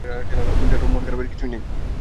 ড্যাডো, মন খারাপের কিছুই নেই।